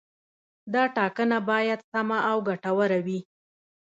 دا ټاکنه باید سمه او ګټوره وي.